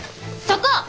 そこ！